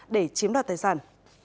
để chiếm đoạt tài sản